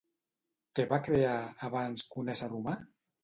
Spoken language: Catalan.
Què va crear, abans que un ésser humà?